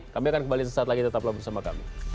kami akan kembali sesaat lagi tetaplah bersama kami